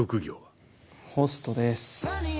ホストです。